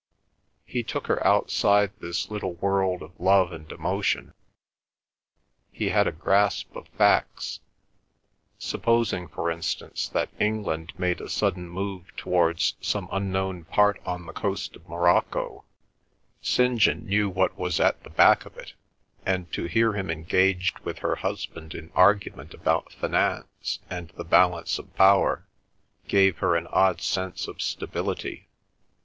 He took her outside this little world of love and emotion. He had a grasp of facts. Supposing, for instance, that England made a sudden move towards some unknown port on the coast of Morocco, St. John knew what was at the back of it, and to hear him engaged with her husband in argument about finance and the balance of power, gave her an odd sense of stability.